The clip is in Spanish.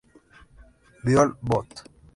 Biol., Bot.